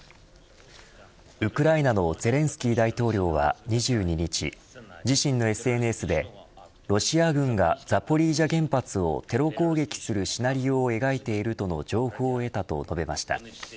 ウクライナのゼレンスキー大統領は２２日自身のＳＮＳでロシア軍がザポリージャ原発をテロ攻撃するシナリオを描いていると情報を得たと述べました。